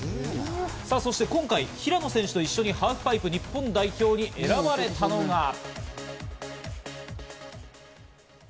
そして今回、平野選手と一緒にハーフパイプ日本代表に選ばれたのが。